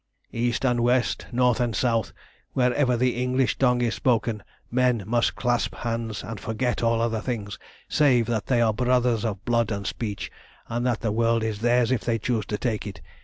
"East and west, north and south, wherever the English tongue is spoken, men must clasp hands and forget all other things save that they are brothers of blood and speech, and that the world is theirs if they choose to take it.